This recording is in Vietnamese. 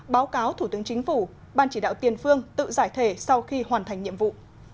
báo cáo thủ tướng chính phủ ban chỉ đạo tiền phương tự giải thể sau khi hoàn thành nhiệm vụ